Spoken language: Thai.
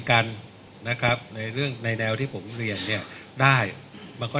กันนะครับในเรื่องในแนวที่ผมเรียนเนี่ยได้มันก็